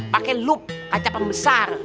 pake lup kaca pembesar